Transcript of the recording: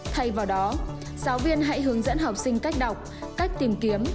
thay vào đó giáo viên hãy hướng dẫn học sinh cách đọc cách tìm kiếm